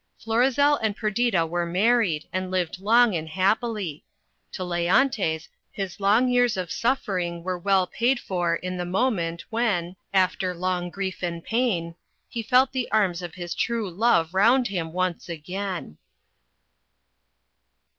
Florizel and Perdita were married, and lived long and happily. To Leontes his long years of suffering were well paid for, in the moment, when, after long grief and pain, he felt the arms of his true love round him once again.